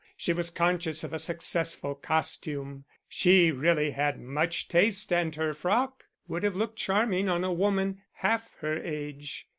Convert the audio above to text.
She was conscious of a successful costume; she really had much taste, and her frock would have looked charming on a woman half her age.